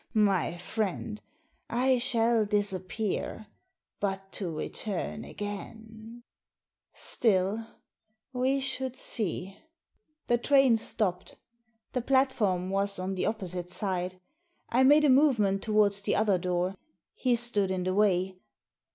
Bah, my friend, I shall disappear, but to return again!" Still — ^we should see ! The train stopped The platform was on the opposite side. I made a movement towards the other door. He stood in the way.